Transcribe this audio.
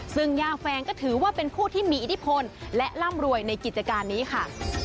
ซึ่งย่าแฟงก็ถือว่าเป็นผู้ที่มีอิทธิพลและร่ำรวยในกิจการนี้ค่ะ